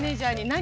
「何？